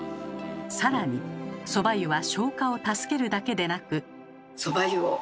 更にそば湯は消化を助けるだけでなく。